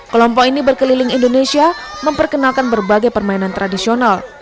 kelompok ini berkeliling indonesia memperkenalkan berbagai permainan tradisional